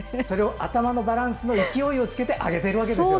頭のバランスの勢いをつけて上げているんですね。